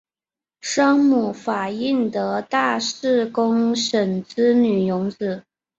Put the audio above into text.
生母法印德大寺公审之女荣子。